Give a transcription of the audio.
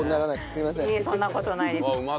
いえそんな事ないです。